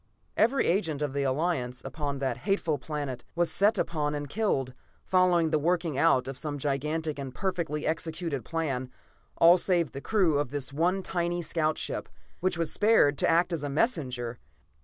"Every agent of the Alliance upon that hateful planet was set upon and killed, following the working out of some gigantic and perfectly executed plan all save the crew of this one tiny scout ship, which was spared to act as a messenger.